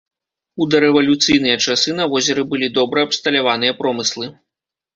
У дарэвалюцыйныя часы на возеры былі добра абсталяваныя промыслы.